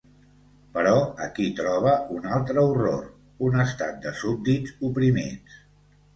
Però aquí troba un altre horror: un estat de súbdits oprimits.